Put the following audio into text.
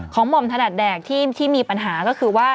หม่อมถนัดแดกที่มีปัญหาก็คือว่า